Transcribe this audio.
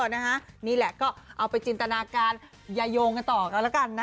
เนี้ยแหละก็เอาไปจินตนาการยยงกันต่อแล้วละกันนะ